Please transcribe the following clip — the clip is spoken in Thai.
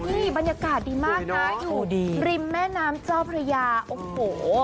นี่บรรยากาศดีมากนะอยู่ดีริมแม่น้ำเจ้าพระยาโอ้โห